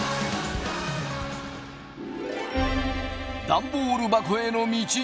ダンボール箱への道。